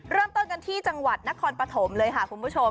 เริ่มต้นกันที่จังหวัดนครปฐมเลยค่ะคุณผู้ชม